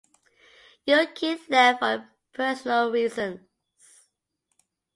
Yukine left for personal reasons.